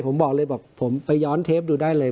ผมบอกเลยบอกผมไปย้อนเทปดูได้เลย